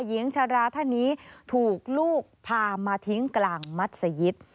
หญิงชาราท่านนี้ถูกลูกพามาทิ้งกลางมัศยิต